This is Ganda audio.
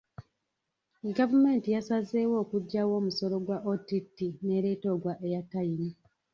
Gavumenti yasazeewo okuggyawo omusolo gwa OTT n’ereeta ogwa Airtime.